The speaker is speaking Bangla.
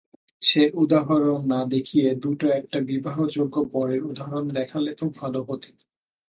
সে উদাহরণ না দেখিয়ে দুটো-একটা বিবাহযোগ্য বরের উদাহরণ দেখালেই তো ভালো হত।